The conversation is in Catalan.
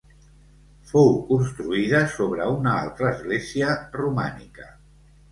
Fou construïda sobre una altra església, romànica.